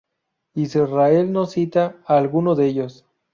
Israel no cita a alguno de ellos.